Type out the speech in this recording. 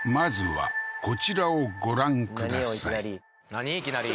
何よいきなり何？